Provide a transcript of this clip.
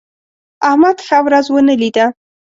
احمد ښه ورځ ونه لیده.